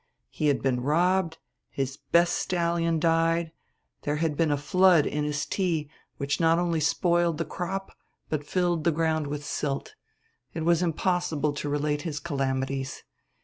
He had been robbed, his best stallion died, there had been a flood in his tea which not only spoiled the crop but filled the ground with silt it was impossible to relate his calamities.